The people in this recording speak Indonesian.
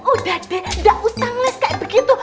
udah deh gak usah ngeles kayak begitu